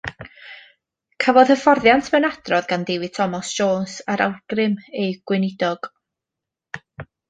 Cafodd hyfforddiant mewn adrodd gan David Thomas Jones ar awgrym ei gweinidog.